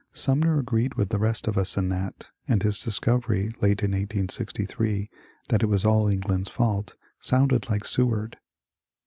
Sumner agreed with the rest of us in that, and his discovery, late in 1863, that it was all England's fault, sounded like Seward.